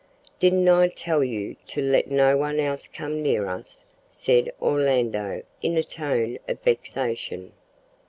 "Didn't I tell you to let no one else come near us?" said Orlando in a tone of vexation.